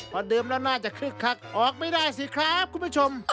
พอดื่มแล้วน่าจะคลึกออกไม่ได้สิครับคุณผู้ชม